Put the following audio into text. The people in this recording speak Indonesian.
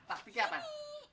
taktik ya bang